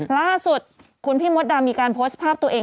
ล่าสุดคุณพี่มดดำมีการโพสต์ภาพตัวเอง